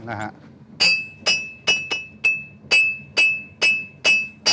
เหมือนเล็บตลอดเวลา